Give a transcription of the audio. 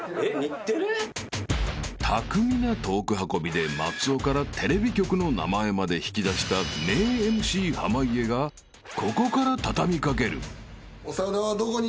［巧みなトーク運びで松尾からテレビ局の名前まで引き出した名ＭＣ濱家がここから畳み掛ける］